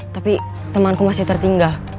tapi temanku masih tertinggal